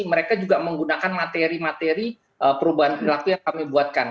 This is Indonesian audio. mereka juga menggunakan materi materi perubahan perilaku yang kami buatkan